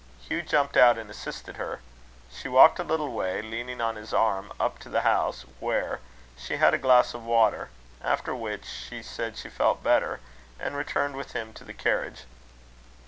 Hugh jumped out, and assisted her. She walked a little way, leaning on his arm, up to the house, where she had a glass of water; after which she said she felt better, and returned with him to the carriage.